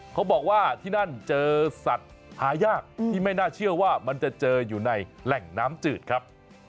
เขาบอกว่าที่นั่นเจอสัตว์หายากที่ไม่น่าเชื่อว่ามันจะเจออยู่ในแหล่งน้ำจืดครับ